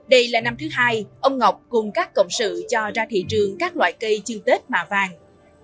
đây là năm thứ hai ông ngọc cùng các cộng sự cho ra thị trường các loại cây chương tết mạ vàng